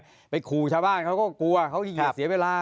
ก็จะไปขู่ชาวบ้านเขาก็กลัวเขาเกียจเสียเวลา